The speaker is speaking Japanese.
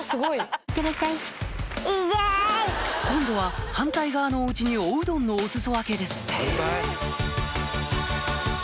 今度は反対側のお家におうどんのお裾分けです